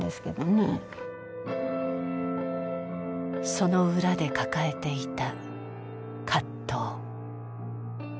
その裏で抱えていた葛藤。